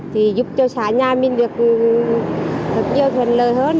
thì giúp cho xã nhà mình được hợp dơ thuận lợi hơn